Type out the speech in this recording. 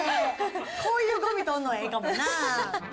こういうごみ取るの、ええかもな。